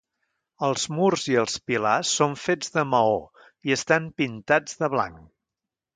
Els murs i els pilars són fets de maó i estan pintats de blanc.